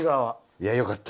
いやよかった。